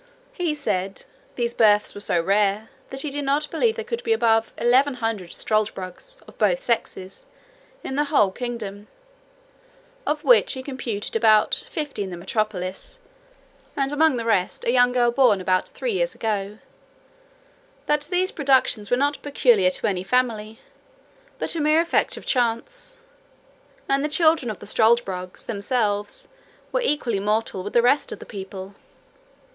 He said, "these births were so rare, that he did not believe there could be above eleven hundred struldbrugs, of both sexes, in the whole kingdom; of which he computed about fifty in the metropolis, and, among the rest, a young girl born; about three years ago: that these productions were not peculiar to any family, but a mere effect of chance; and the children of the struldbrugs themselves were equally mortal with the rest of the people."